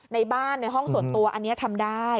ในบ้านในห้องส่วนตัวอันนี้ทำได้